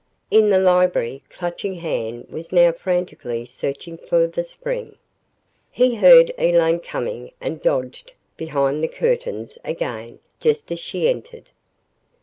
In the library, Clutching Hand was now frantically searching for the spring. He heard Elaine coming and dodged behind the curtains again just as she entered.